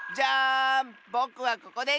ぼくはここでした！